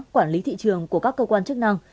quản lý thị trường của các cơ quan chức năng